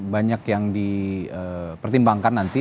banyak yang di pertimbangkan nanti